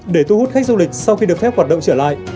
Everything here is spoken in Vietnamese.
để thu hút khách du lịch sau khi được phép hoạt động trở lại